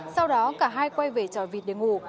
sau đó cả hai quay về trò vịt để ngủ